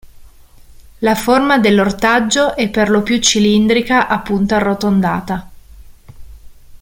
La forma dell'ortaggio è per lo più cilindrica a punta arrotondata.